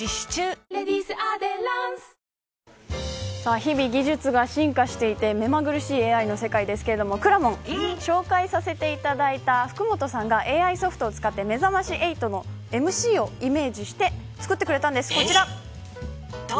日々技術が進化していて目まぐるしいＡＩの世界ですがくらもん、紹介していただいた福元さんがＡＩソフトを使ってめざまし８のＭＣをイメージして作ってくれたんです、こちら。